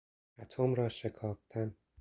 اتم را شکافتن